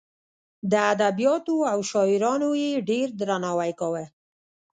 د ادبیاتو او شاعرانو یې ډېر درناوی کاوه.